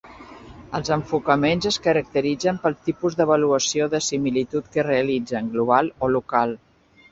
Els enfocaments es caracteritzen pel tipus d'avaluació de similitud que realitzen: global o local.